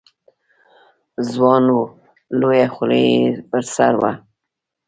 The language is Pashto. ځوان و، لویه خولۍ یې پر سر وه.